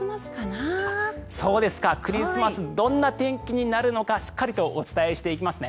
クリスマスどんな天気になるのかしっかりとお伝えしていきますね。